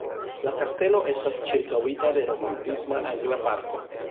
La kastelo estas ĉirkaŭita de romantisma angla parko.